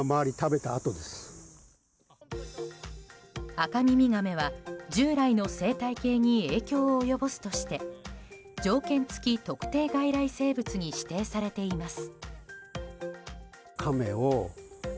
アカミミガメは従来の生態系に影響を及ぼすとして条件付特定外来生物に指定されています。